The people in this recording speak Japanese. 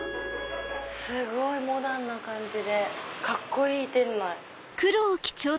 すごいモダンな感じでカッコいい店内。